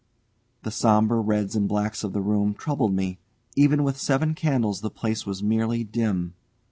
The sombre reds and blacks of the room troubled, me; even with seven candles the place was merely dim.